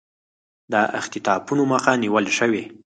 د اختطافونو مخه نیول شوې